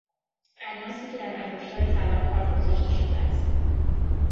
الماسی که در انگشتر طلا کار گذاشته شده است